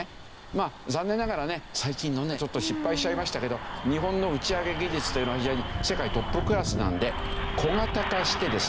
まあ残念ながらね最近のねちょっと失敗しちゃいましたけど日本の打ち上げ技術というのは非常に世界トップクラスなんで小型化してですね